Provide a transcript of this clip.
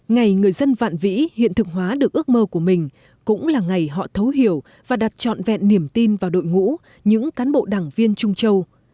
ngày người dân vạn vĩ hiện thực hóa được ước mơ của mình cũng là ngày họ thấu hiểu và đặt trọn vẹn niềm tin vào đội ngũ những cán bộ đảng viên trung châu